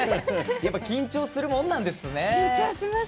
緊張するもんなんですね。